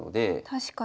確かに。